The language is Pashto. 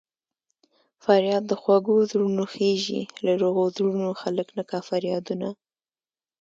فریاد د خوږو زړونو خېژي له روغو زړونو خلک نه کا فریادونه